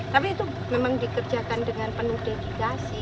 tapi itu memang dikerjakan dengan penuh dedikasi